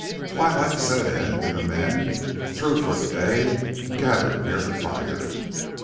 Twilight set in and the men, through for the day, gathered near the fire.